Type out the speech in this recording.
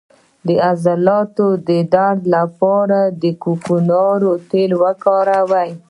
د عضلاتو درد لپاره د کوکنارو تېل وکاروئ